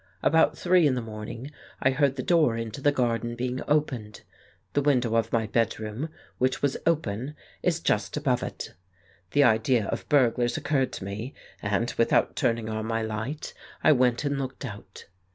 About three in the morning I heard the door into the garden being opened : the window of my bedroom, which was open, is just above it. The idea of burglars occurred to me, and, without turning on my light, I went and looked out.